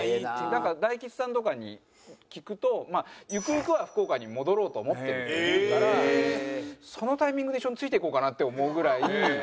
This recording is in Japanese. なんか大吉さんとかに聞くとゆくゆくは福岡に戻ろうと思ってるって言うからそのタイミングで一緒についていこうかなって思うぐらい。